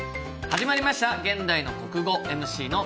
始まりました「現代の国語」。